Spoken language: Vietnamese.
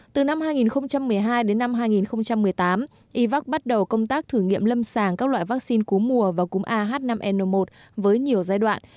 từ năm hai nghìn một mươi hai đến năm hai nghìn một mươi tám yvac bắt đầu công tác thử nghiệm lâm sàng các loại vaccine cú mùa và cúm ah năm n một với nhiều giai đoạn